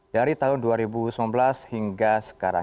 dari tahun dua ribu sembilan belas hingga sekarang